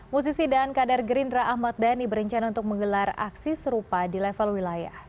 musisi dan kader gerindra ahmad dhani berencana untuk menggelar aksi serupa di level wilayah